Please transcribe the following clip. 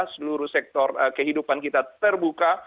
seluruh sektor kehidupan kita terbuka